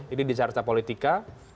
ini di charta politika